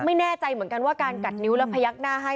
ไม่แน่ใจเหมือนกันว่าการกัดนิ้วแล้วพยักหน้าให้